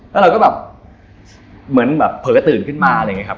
แล้วเราก็แบบเผลอตื่นขึ้นมาอะไรอย่างงี้ครับ